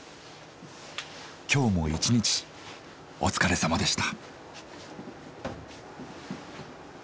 今日も一日お疲れさまでした。